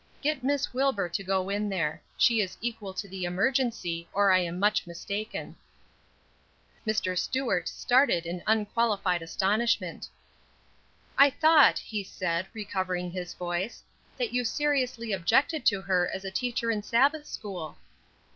"Get Miss Wilbur to go in there; she is equal to the emergency, or I am much mistaken." Mr. Stuart started in unqualified astonishment. "I thought," he said, recovering his voice, "that you seriously objected to her as a teacher in Sabbath school?"